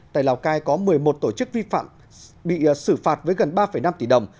tại lào cai có một mươi một tổ chức vi phạm bị xử phạt với gần ba năm tỷ đồng